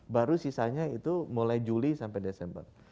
baru sisanya itu mulai juli sampai desember